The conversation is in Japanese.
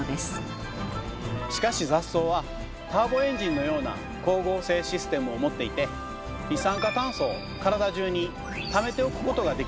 しかし雑草はターボエンジンのような光合成システムを持っていて二酸化炭素を体中にためておくことができるんです。